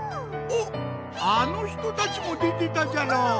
おっあのひとたちもでてたじゃろう。